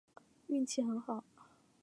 运气很好